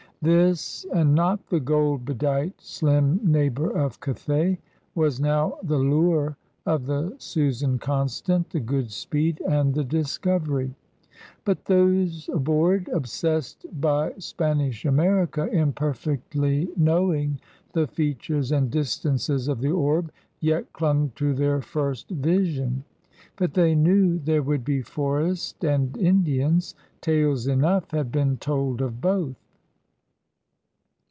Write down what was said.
This, and not the gold bedight slim neighbor of Cathay, was now the lure of the Susan Constant, the Goodspeedy and the Discovery. But those aboard, obsessed by Spanish America, imperfectly THE ADVENTURERS 18 knowing the features and distances of the orb, yet dung to their first vision. But they knew there would be forest and Indians. Tales enough had been told of both!